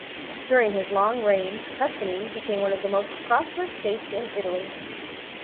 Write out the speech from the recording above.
During his long reign Tuscany became one of the most prosperous states in Italy.